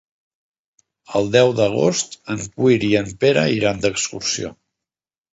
El deu d'agost en Quer i en Pere iran d'excursió.